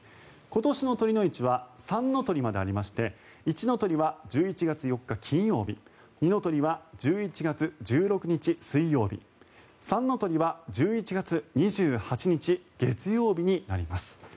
今年の酉の市は三の酉までありまして一の酉は１１月４日、金曜日二の酉は１１月１６日、水曜日三の酉は１１月２８日、月曜日になります。